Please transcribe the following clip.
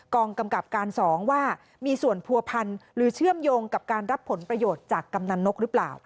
กองกำกับการ๒ว่ามีส่วนผัวพันธ์หรือเชื่อมโยงกับการรับผลประโยชน์จากกำนันนกหรือเปล่า